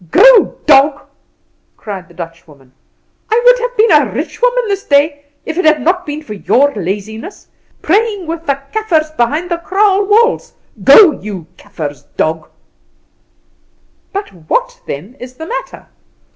"Go, dog," cried the Dutchwoman; "I would have been a rich woman this day if it had not been for your laziness. Praying with the Kaffers behind the kraal walls. Go, you Kaffer's dog!" "But what then is the matter?